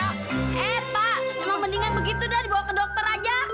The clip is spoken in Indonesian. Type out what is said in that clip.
eh pak emang mendingan begitu dah dibawa ke dokter aja